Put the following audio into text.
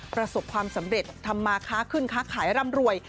ประสบความสำเร็จทำมาค้าขึ้นค้าขายร่ำรวย